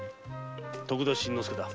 徳田新之助だ。